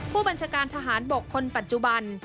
ผู้บัญชาการทหารบกคนปัจจุบัน